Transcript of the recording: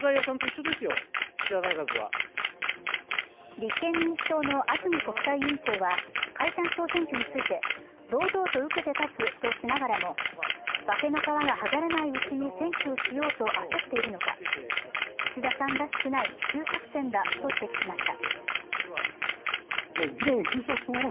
立憲民主党の安住国対委員長は解散総選挙について、堂々と受けて立つとしながらも化けの皮がはがれないうちに選挙をしようと焦っているのおか岸田さんらしくない奇襲作戦だと指摘しました。